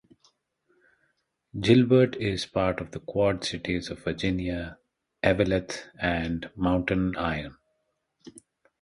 Gilbert is part of the Quad Cities of Virginia, Eveleth, and Mountain Iron.